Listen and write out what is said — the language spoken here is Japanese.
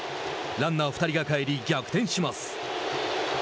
ランナー２人が帰り逆転します。